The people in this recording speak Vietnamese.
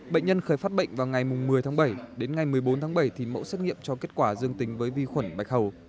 bệnh nhân khởi phát bệnh vào ngày một mươi tháng bảy đến ngày một mươi bốn tháng bảy thì mẫu xét nghiệm cho kết quả dương tính với vi khuẩn bạch hầu